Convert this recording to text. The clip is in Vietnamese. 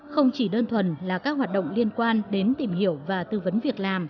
không chỉ đơn thuần là các hoạt động liên quan đến tìm hiểu và tư vấn việc làm